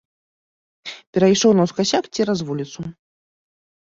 Перайшоў наўскасяк цераз вуліцу.